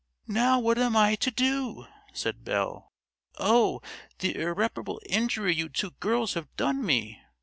"Now, what am I to do?" said Belle. "Oh, the irreparable injury you two girls have done me!